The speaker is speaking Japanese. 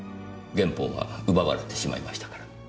原本は奪われてしまいましたから。